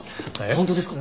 本当ですか！？